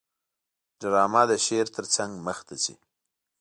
ډرامه د شعر ترڅنګ مخته ځي